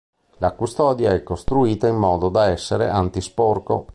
La custodia è costruita in modo da essere anti-sporco.